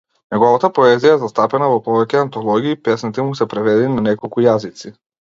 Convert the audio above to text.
Неговата поезија е застапена во повеќе антологии, песните му се преведени на неколку јазици.